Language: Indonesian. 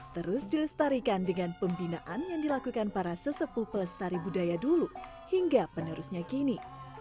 terus dilestarikan dengan pembinaan yang dilakukan para sesepuh pelestari budaya dulu hingga penerusnya kini